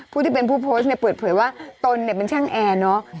ผู้ที่เป็นผู้โพสต์เปิดเผยว่าตนมันช่างแอร์เนอะ